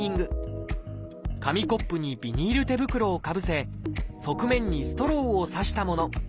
紙コップにビニール手袋をかぶせ側面にストローを刺したもの。